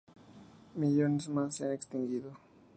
Millones más se han extinguido.